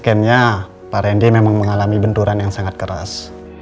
akhirnya pak rende memang mengalami benturan yang sangat keras